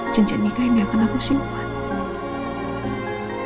jejak nikah ini akan aku simpan